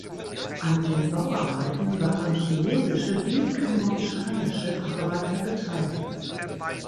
An den Bauarbeiten waren chinesische wie kambodschanische Arbeiter beteiligt.